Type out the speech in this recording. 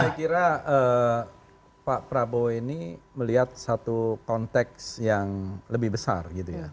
saya kira pak prabowo ini melihat satu konteks yang lebih besar gitu ya